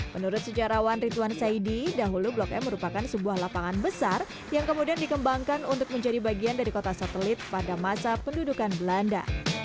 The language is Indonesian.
menurut sejarawan rituan saidi dahulu blok m merupakan sebuah lapangan besar yang kemudian dikembangkan untuk menjadi bagian dari kota satelit pada masa pendudukan belanda